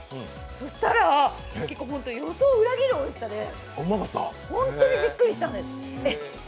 そしたら予想を裏切るおいしさで、本当にびっくりしたんです。